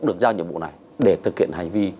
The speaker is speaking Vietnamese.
được giao nhiệm vụ này để thực hiện hành vi